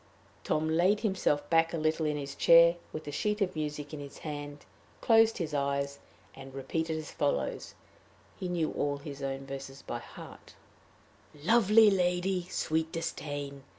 Tom laid himself back a little in his chair, with the sheet of music in his hand, closed his eyes, and repeated as follows he knew all his own verses by heart: "Lovely lady, sweet disdain!